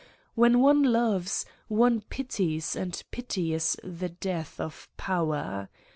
When one loves, one pities and pity is the death of power.